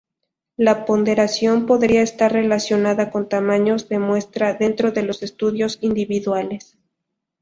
La ponderación podría estar relacionada con tamaños de muestra dentro de los estudios individuales.